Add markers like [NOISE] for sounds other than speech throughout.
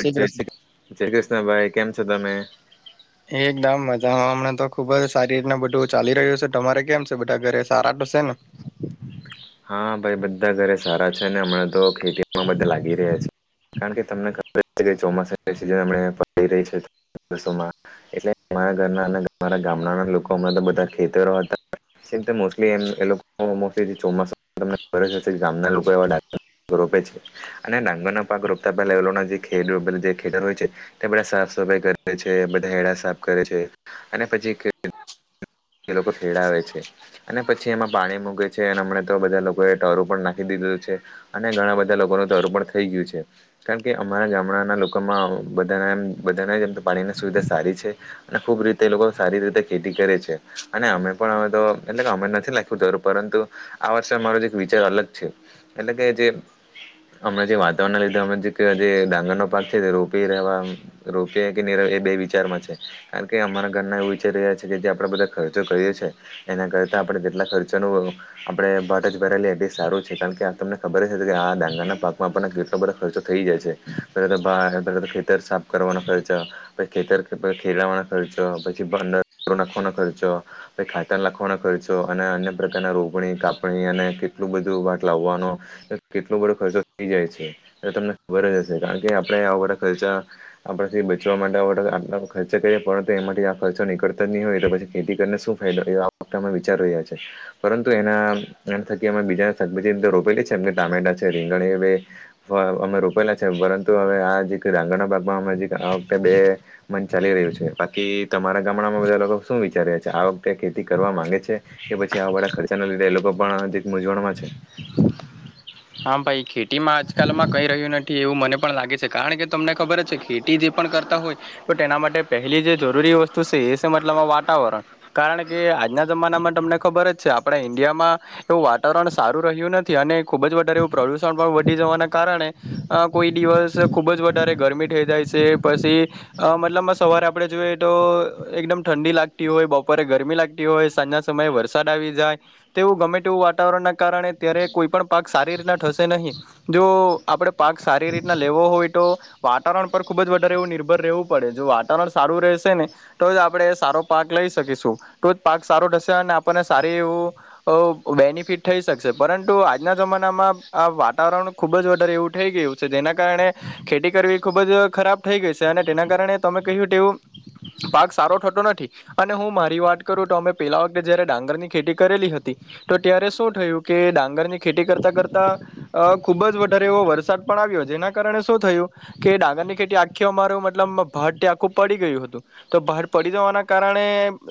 શ્રી જય કૃષ્ણ. શ જય કૃષ્ણ ભાઈ કેમ છો તમે એકદમ મજામાં હમણાં તો ખુબ જ સારી રીતને બધું ચાલી રહ્યું છે તમારે કેમ છે બધા ઘરે સારા પ્રસેન. હા ભાઈ બધા ઘરે સારા છે ને હમણાં તો ખેતીમાં બધા લાગી રહ્યા છે. કારણ કે તમને ખબર ચોમાસા સિજન અમ પડી રહી છે. િવોમાં એટલે અરા ઘરના અનેરા ગામડાના લોકો હણા તો બધા ખેતરો હતા. લી એમ એ લોકોલી ચોમાસા તમનેબ ગામના લોકો એવા લાગતા. રોપે છે અને ડાંગરના પાક રપતા લેવના જે ખ ખે હોય છે, તે બધા. સફાઈ કરે છે બધા હેડા સાફ કરે છે, અને પછી. એ લોકો ખેડાવે છે અને પછી એમાં પાણી મૂગ છે. હમ તો બધા લોકો એ ટરું પણ નાખી દીધું છે અને ઘણા બધા લોકોનું ટરું પણ થઈ ગયું છે. કારણ કે અમારા ગામડાના લોકોમાં બધાના એમ બધા જમ તો પાણીની સુવિધા સારી છે, અને ખબ ખુબ રીતે એ લોકો સારી રીતે ખેતી કરે છે, અને અમે પણ તો એટલે અમે નથી લખ્યું જરૂર પરંતુ. આ વર્ષે મારો જે એક વિચાર અલગ છે, એટલે કે જે અમણાં જે વાતાવરણ ના લીધે જે ડાંગર નો પાક છે, તે રોપી રહેવા રોપી કે. એ બે વિચારમાં છે કારણ કે અમારા ઘરના એવું વિચારી રહ્યા છે, કે જે આપણેે બધા ખર્ચો કરીએ છીએ. એના કર આપણે જેટલા ખર્ચાનું. આપડે ભટ જ ભરાયલી એટલી સારું છે, કારણ કે તમને ખબર કે આ ડાંગાના ભકમાં આપણને કેટલો બધા ખર્ચો થયો બી જ છે જ પે તો પે ખેતર સાફ કરવાનો ખર્ચા પ ખેતર ખેલાવાના ખર્ચા પછીખવા ખર્ચો પછ ખાતર નાખવાનો ખર્ચો અને અન્ય પ્રકારના રોગ. કાપણી અને કેટલું બધું વાટ લાવવાનો કેટલો બધો ખર્ચો થઈ જાય છે. તમને ખબર હશે કારણ કે આપણે આવા વધા ખર્ચા આપણાથી બચવા માટે ખર્ચા કરીએ પરંત એ માટે આ ખર્ચો નીકળતા જ નહી હોય તો પછી ખેતી કરીને શું ફાયદો, એ આ વખતામાં વિચાર રહ્યા છે. પરંતુ તો એના થકી અ બીજા શકબજી રોપેલી છે. એમ ટામેટા છે રીંગણી અમે રોપેલા છે પરંતુ હવે આ ડંગર ના ભાગમાં આ વખતે બે મન ચાલી રહ્યું છે. કી તમારા ગામડામાં બધા લોકો શું વિચાર્યા છે, આ વખતે ખેતી કરવા માંગે છે. કે પછી આ વડા ખર્ચ લીધે એ લોકો પણ દક મૂઝવણમાં છે. હા ભાઈ ખેતીમાં આજકાલમાં કઈ રહ્યું નથી એવું મને પણ લાગે છે. કારણ કે તમને ખબર જ છે ખેતી જે પડ કરતા હોય તો તેના માટે પહેલી જે જરૂરી વસ્તુ છે. એ છે મતલબ વાતાવરણ કારણ કે આજના જમાનામાં તમને ખબર જ છે. આપણા ઈન્ડિયામાં એવું વાતાવરણ સારું રહ્યું નથી અને ખુબ જ વધારે એ પ્રદુષણ પણ વધી જવાના કારણે કોઈ દિવસ ખુબ જ વધારે ગરમી થઈ જાય છે. પછી મતલબમાં સવારે આપડણે જોઈએ તો એકદમ ઠંડી લાગતી હોય બપોરે ગરમી. એ લાગતી હોય સાંજના સમયે વરસાદ આવી જાય તો એવું ગમે તેવું વાતાવરણ ના કારણે ત્યારે કોઈ પણ પાક સારી રીતના થશે નહીં. જો આપણે પાક સારી રીતના લેવો હોય તો વાતાવરણ પર ખુબ જ વધારે એવું નિર્ભર રહેવું પડે, જો વાતાવરણ સારું રહેશે ને તો જ આપડણે સાફ પાક લઈ સકી છુ તો પાક સારો થશે અને આપણને સારી એવું બેનિફિટ થઈ શકે પરંતુ આજ આજના જમાનામાં આ વાતાવરણ ખુબ જ વધારે એવું થઈ ગયું છે. જેના કારણે ખેતી કરવી ખૂબ જ ખરાબ થઈ ગઈ છે અને તેના કારણે તમે કહ્યું તેવું પાક સારો થતો નથી. અને હું મારી વાત કર તો અમે પેલા વખતે જયારે ડાંગર ની ખેતી કરેલી હતી, તો ત્યારે શું થયું કે ડાંગરની ખેતી કરતા કરતાં અ ખુબ જ વધારે એવો વરસાદ પણ આવ્યો જેના કારણે શું થયું કે ડાગર ડાંગર ખેતી આખી અમારું મતલબ ભ આખું પડી ગયું હતું. તો ભા પડી જવાના કારણે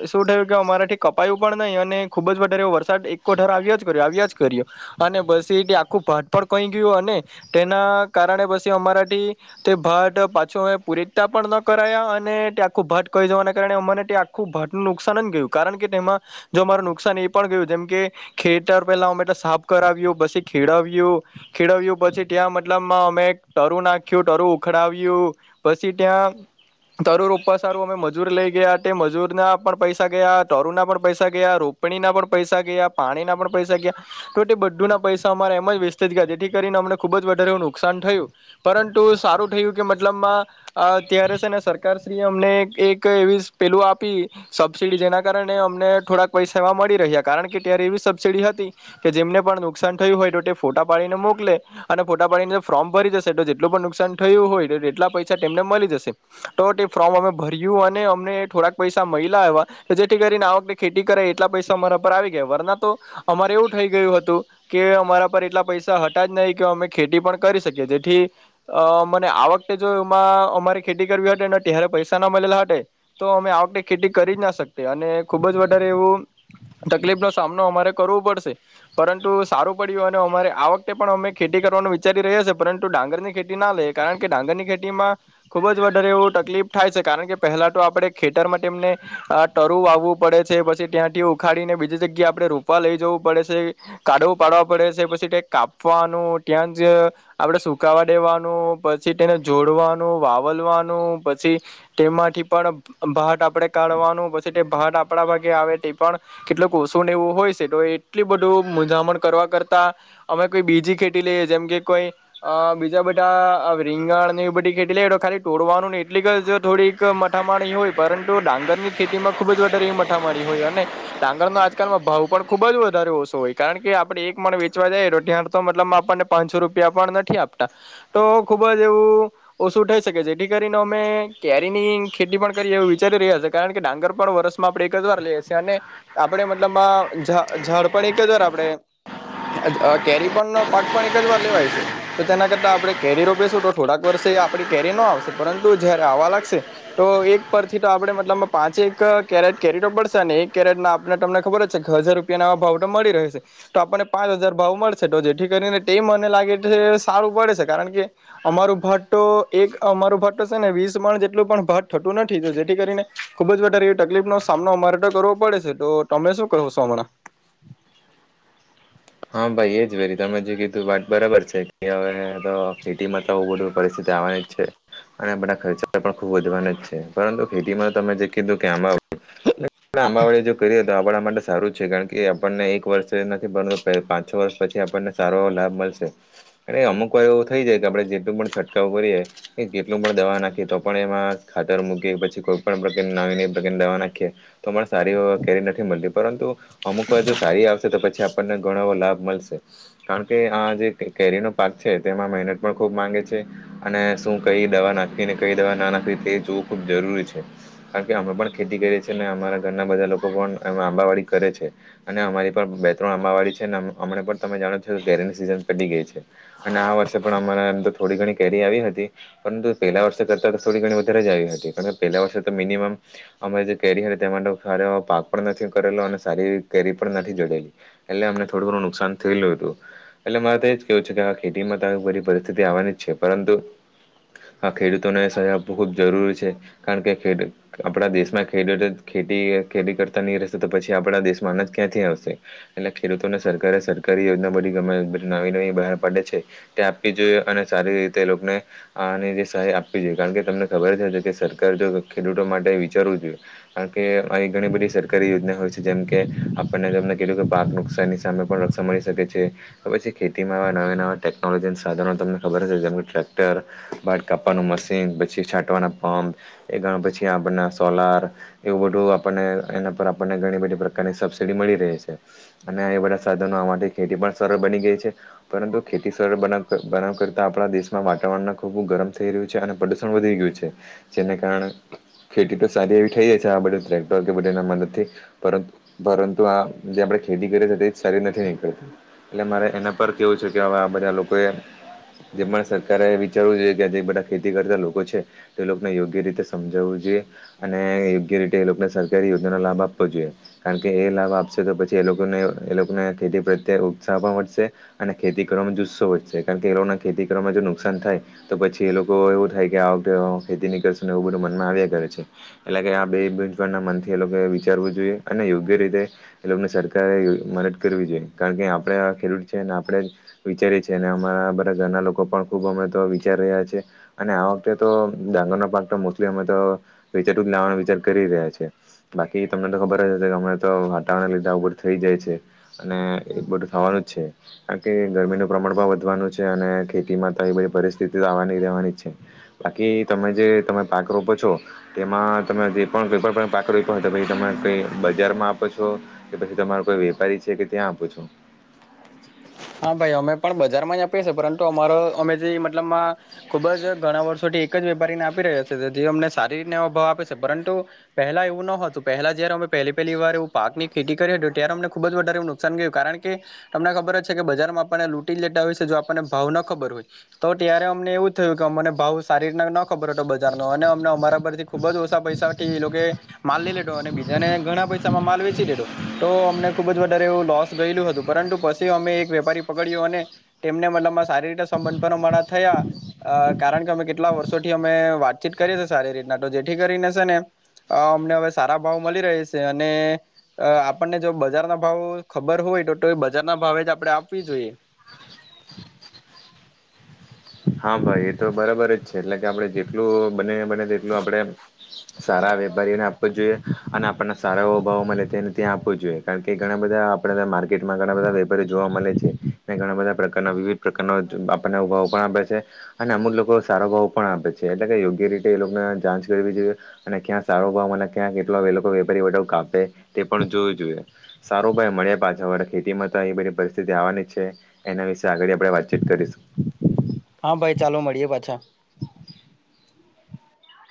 શું થયું કે અમારાથી કપાયું પણ નહી અને ખુબ જ વધારે વરસાદ એકકોઠર આવ્યા જ કર્યો આવ્યા જ કર્યો. અને પછી એ આખું ભાટ પણ કઈ ગયું. અને તેના કારણે પછી અમારાથી તે ભાગ અ પાછું અમે પૂરીતતા પણ ન કરાયા અને તે આખું ભટ્ટ કહી જવાના કારણે અમારે તે આખું ભટનું નુકસાન જ ગયું કારણ કે તેમાં જો અરું નુકસાન એ પણ ગયું જેમ કે ખેતર પેલા અમે સાપ. કરાવ્યું પછી ખીળવ્યું ખેડવ્યું પછી ત્યાં મતલબમાં અમે ટરું નાખ્યું તરું. આવ્યું પછી ત્યાં. તરુ રૂપા સારું અમે મજૂર લઈ ગયા તે મજૂર ના પણ પૈસા ગયા તરુ ના પણ પૈસા ગયા રોપ બણી ના પણ પૈસા ગયા પાણીના પણ પૈસા ગયા. બધું ના પૈસા અમારે એમ જ વેસ્ટજ ગયા જેથી કરીને અમને ખુબ જ વધારે નુકસાન થયું પરંતુ. સારું થયું કે મતલબમાં અત્યારે છે. ને સરકારશ્રી એ અમને એક એવી પેલું આપી. સબસિડી જેના કારણે અમને થોડાક પૈસાવા મળી રહ્યા કારણ કે ત્યારે એવી સબસિડી હતી કે જેમને પણ નુકસાન થયું હોય તો તે ફોટા પાડીને મોક અને ફોટા પાડીને ફોર્મ ભરી જશે તો જેટલું પણ નુકસાન થયું હોય એટલા પૈસાને મળી જશે તો ફોર્મ અમે ભર્યું અને અમને થોડાક પૈસા મહિલાવા જેથી કરીને આવકને ખેતી કરે એટલા પૈસા અમારા પર આવી ગયા વરના તો અમારે એવું થઈ ગયું હતું કે અમારા પર એટલા પૈસા હતા જ નહીં કે અમે ખેતી પણ કરી શકીએ જેથી અ મને આ વખતે જો એમાં અમારે ખેતી કરવી હતીને ત્યારે પૈસા ના મળેલા હતા તો અને ખેતી કરી જ ના શકીયે અને ખુબ જ વધારે એવું તકલીફ નો સામનો અમારે કરવો પડશે પરંતુ સારું પડ્યું અને અમારે આ વખતે પણ અમે ખેતી કરવાનું વિચારી રહ્યા છે પરંતુ ડાંગરની ખેતી ના આવે કારણ કે ડાંગર ની ખેતી માં ખુબ જ વધારે એવું તકલીફ થાય છે કારણ કે પહેલા તો આપણે ખેતરમાં તેમને અ ટરુ આવવું પડે છે પછી ત્યાંથી ઉખાડી ને બીજી જગ્યા આપણે રૂપા લઈ જવું પડે છે કાઢવો પાડવા પડે છે પછી કાપવાનું ત્યાં જ આપડે સુકાવા દેવાનું પછી તેને જોડવાનું વાવાનું પછી તેમાંથી પણ ભાર આપાનો આપડે કાઢવાનું પછી તે ભાત આપડા ભાગે આવે તે પણ કેટલુંક ઓછું એવું હોય છે તો એ એટલે બધું મંધામણ કરવા કરતા અમે કોઈ બીજી ખેતી લઈએ જેમ કે કોઈ બીજા બધા ના રીંગણ બધી કેટલી ખાલી તોડવાનું ને એટલીક જ થોડીક મઠામાણી હોય પરંતુ ડાંગરની ખેતીમાં ખુબ જ વધારે એ મઠામારી હોય અને ડાંગરનો આજકાલમાં ભાવ પણ ખુબ જ ઓછો હોય કારણ કે આપડે એક મંણ વેચવા જાય ત્યાં તો મતલબ આપણને પાંચસો રૂપિયા પણ નથી આપતા. તો ખુબ જ એવું ઓછું થઈ શકે જેથી કરીને અમે કેરીની ખેતી પણ કરી એવુ વિચારી રહ્યા કારણ કે ડાંગર પણ વર્ષમાં આપણે એક જ વાર લઈએ અને આપણે મતલબ પણ એક જ વાર આપડે કેરી પણનો પાક પણ એક જ વાર લેવાય છે તો તેના કરતા આપડણે કેરી રોપીશું તો થોડાક વર્ષ આપણી કેરી ન આવશે પરંતુ જયારે આવવા લાગશે તો એક પરથી તો આપણે મતલબ પાંચેક કેરેટ કેરીનો પડશે એ કેરેટ ના આપડને તમને ખબર જ છે કે હજાર રૂ ભાવ તો મળી રહે છે તો આપણને પાંચ હજાર ભાવ મળશે તો જેથી કરીને તે મને લાગે છે સારું પડે છે કારણ કે અમારું ભાત તો એક અમારું ભાત તો છે ને વીસ પણ જેટલું પણ ભાત થતું નથી. જેથી કરીને ખુબ જ વધારે તકલીફ નો સામનો અમારે તો કરવો પડે છે તો તમે શું કરો છો હમણાં? [INAUDIBLE] હા ભાઈ એજ વેરી તમે જે કીધું વાત બરાબર છે કે હવે ખેતીમાં તો બધું પરિસ્થિતિ બધા ખર્ચા વધવાના છે પરંતુ ખેતીમાં તમે જે કીધું કે આમાં આંબાવાડે જો કરીએ તો આપણા માટે સારું જ છે કારણ કે આપણને એક વર્ષે નથી. પાં છ વર્ષ પછી આપણને સારો એવો લાભ મળશે અને અમુક વાર એવું થઈ જાય કે આપડે જેેટલું પણ છટકાવ [UNINTELLIGIBLE] પણ દવા નાખીએ તો પણ એમાં ખાતર મૂકી પછી કોઈ પણ પ્રકારની નવી નાખી તો સારી કેરી નથી મળતી પરંતુ અમુક વાર જો સારી આવશે તો પછી આપણને ઘણો લાભ મળશે કારણ કે આ જે કેરીનો પાક છે તેમાં મહેનત પણ ખૂબ માંગે છે. અને શું કઈ દવા નાખવી અને કઈ દવા ના નાખવી તે જોવું ખુબ જરૂરી છે કારણ કે આમા પણ અમારા ઘરના બધા લોકો પણ આંબાવાડી કરે છે અને અમારી પણ બે ત્રણ આંબાવાડી છે. અમને પણ તમે જાણો છો તો કેરીની સીઝન પડી ગઈ છે અને આ વર્ષે પણ અમારા તો થોડી ઘણી કેરી પરંતુ પેલા વર્ષ કરતા થોડી ગણી વધારે જ આવી હતી પહેલા વર્ષ કરતા કેરી તેમાં પાક પણ નથી કરેલો અને સારી એવી કેરી પણ નથી જોડેલી એટલે અમેતો થોડું ઘણું નુકસાન થયેલુ હતું. એટલે મારે તો એજ કેવું છે કે આ ખેતીમાં તો બધી પરિસ્થિતિ આવવાની જ છે પરંતુ હા ખેડુતોને સહાય આપવુ ખૂબ જરૂરી છે કારણ કે આપણા દેશમાં ખેડુતોને ખેતી કરતા નહી રહેશે તો પછી આપડા દેશમાં અનાજ ક્યાંથી આવશે એટલે ખેડૂતોને સરકારે સરકારી યોજના બધી ગમે નવી નવી બહાર પાડે છે તે આપવી જોઈએ અને સારી રીતે લોકો આ જે સહાય આપવી જોઈએ કારણ કે તમને ખબર જશે કે સરકાર જો ખેડૂતો માટે વિચારવું જોઈએ. કારણ કે આવી ઘણી બધી સરકારી યોજના હોય છે જેમ કે આપણને તમને કે પાક નુકસાનની સામે પણ રક્ષણ મળી શકે છે પછી ખેતીમાંવા નવા નવા ટેકનોલોજી સાધનો તમને ખબર હશે જેમ કે ટેક્ટર વાળ કાપવાનું મશીન પછી છાંટવાના પંપ એના પછી આપણા સોલાર એવુ બધુ આપને એના પર આપનેણી બધી પ્રકારની સબસડી મળી રહી છે અને બધા સાધનો ખેતી પણ સરળ બની ગઈ છે પરંતુ ખેતી સરળ બનાવ કરતા આપણા દેશમાં વાતાવરણ ખૂબ ગરમ થઈ રહ્યું છે અને પ્રદુષણ વધી ગયું છે જેને કારણે ખેતી તો સારી એવી થઈ જાય છે આ બધું ટ્રેક્ટર કે બધ એના મદદથી પર પરંતુ આ જે આપણે ખે કરે છે તે જ સારી નથી નીકળતી એટલે મારે એના પર કેવું છે કે હવે આ બધા લોકો એ જે પણ સરકારે વિચારવું જોઈએ કેજ બધા ખેતી કરતા લોકો છે તે લોકોને યોગ્ય રીતે સમજાવવું જોઈએ. અને યોગ્ય રીતે એ લોકોને સરકારી યોજના લાભ આપવો જોઈએ કારણ કે એ લાભ આપશે તો પછી લોકોગને એ લોકોને ખેતી પ્રત્યે ઉત્સાહ પણ વધશે અને ખેતી કરવામાં જુસ્સો વધશે કારણ કે એ લોકોને ખેતી કર નુકસાન થાય તો પછી એ લોકો એવું થાય કે આ વખતે ખેતી નીકળશું ને એવું બધું મનમાં આવ્યા કરે છે. એટલે કે આ બેજ ના મંદ એ લોકો વિચારવું જોઈએ અને યોગ્ય રીતે એ લોકોને સરકારે મદદ કરવી જોઈએ કારણ કે આપણે આ ખેડૂત છે ને આપણે વિચારી છીએ અને અમારા બધા ઘરના લોકો પણ ખબ અમે તો વિચાર રહ્યા છે અને આ વખતે તો ડાંગરનો પાક તો મોલી અમે તો વિચાર લવાનો વિચાર કરી રહ્યા છે બાકી તમને તો ખબર જ હશે કે હમણા તો હટાવવાના લીધા ઉપભર થઇ જાય છે. અને એ બધું ખાવાનું જ છે. કાર કે ગરમીનું પ્રમાણ પણ વધવાનું છે અને ખેતી માં તો એ બધી પરિસ્થિતિ આવવાની રહેવાની છે. બાકી તમે જે તમે પાક રોપો છો તેમાં તમે જે પણ કોઈ પણ પાક રોપ્યો પછી ત મારે પે બજારમાં આપો છો કે પછી તમારો કોઈ વેપારી છે કે ત્યાં આપો છો હા ભાઈ અમે પણ બજારમાં જ આપીએ છે પરંતુ અમારો અમે જે મ મતલબ માં ખુબ જ ઘણા વર્ષોથી એક જ વેપારીને આપી રહ્યા છે જે અમને સારી રીત ભાવ આપે છે પરંતુ તું પહેલા એવું ન હતું પહેલા જય અમે પહેલી પહેલી વાર એ પાકની ખેતી કરી હતી ત્યારે અમને ખુબ જ વધારે નુકશાન ગયુ કારણ કે તમને ખબર જ છે કે બજારમાં આપણને લૂટી લેતા હોય છે જો આપણને ભાવ ન ખબર હોય તો ત્યારે અમને એવું થયું કે મને ભાવ સારી રીતના નો ખબર હતો બજાર નો અને અમને અમારા પરથી ખુબ જ ઓછા પૈસાથી એ લોકોએ માલ લઇ લીધો અને બીજાને ઘણા પૈસામાં માલ વેચી લેધો તો અમને ખુબ જ વધારે એવું લોસ ગયેલું હતું પરંતુ પછી અમે એક વેપારી પકડ્યો અને તેમને મતલબમાં સારી રીતે સંબંધ પણ અમારા થયા અ કારણ કે અમે કેટલા વર્ષોથી અમે વાતચીત કરીએી સારી રીતના તો જેથી કરીને શે ને અ અમને હવે સારા ભાવ મળી રહેશે છે અને આપણને જો બજારના ભાવ ખબર હોય તો તો એ બજાર ના ભાવે જ આપડે આપવી જોઈએ હા ભાઈ એ તો બરાબર જ છે એટલે કે આપડે જેટલું બને એમજ તેટલું આપણે સારા વેપારીઓને આપવ જોઈએ અને આપણને સારા એવા ભાવોમાં મળે તે ને ત્યાં આપવું જોઈએ કારણ કે ઘણા બધા આપણે માર્કેટમાં ઘણા બધા વેપારીઓ જોવા મળે છે ઘણા બધા પ્રકારના વિવિધ પ્રકારના આપને ઉ ભાવ પણ આપ છે. છે અને અમુક લોકો સારો ભાવ પણ આપે છે એટલે કે યોગ્ય રીતે એ લોકોને જાચ કરવી જોઈએ અને ક્યાં સારો ભાવ મળે ક્યાં કેટલો એ લોકો વેપારી વ કાપે તે પણ જોવું જોઈએ સારો ભાઈ મળેયા પાછા. પર ખેતીમાં તો એ બધી પરિસ્થિતિ આવવાની છે એના વિશે આગળ આપણે વાતચીત કરીશું હા ભાઈ ચાલો મળીએ પાછા